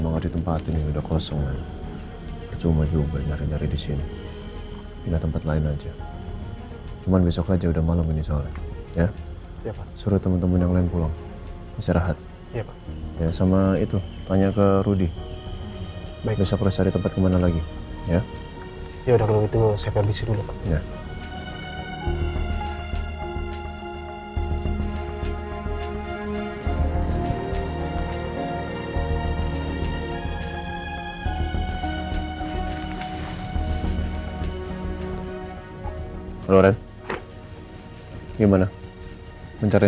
enggak boleh nyerah